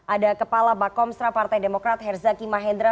ada kepala bakomstra partai demokrat herzaki mahendra